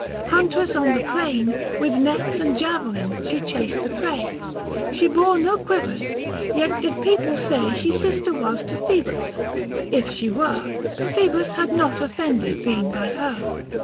Huntress on the plain, With nets and javelin she chased the prey ; 125 She bore no quivers ; yet did people say She sister was to Phoebus ; if she were, Phoebus had not offended been by her.